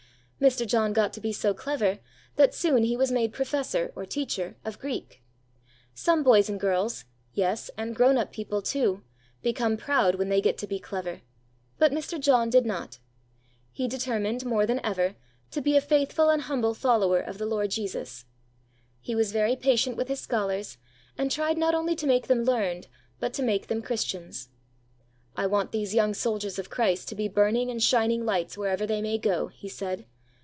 Mr. John got to be so clever that soon he was made professor, or teacher of Greek. Some boys and girls yes, and grown up people, too become proud when they get to be clever, but Mr. John did not. He determined, more than ever, to be a faithful and humble follower of the Lord Jesus. He was very patient with his scholars, and tried not only to make them learned, but to make them Christians. "I want these young soldiers of Christ to be burning and shining lights wherever they may go," he said.